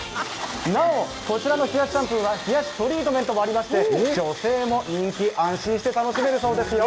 なお、こちらの冷やしシャンプーは冷やしトリートメントもありまして女性も人気、安心して楽しめるそうですよ。